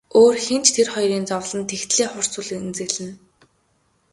Өөр хэн ч тэр хоёрын зовлонд тэгтлээ хурц үл эмзэглэнэ.